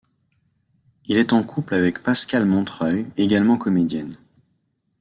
Il est en couple avec Pascale Montreuil, également comédienne.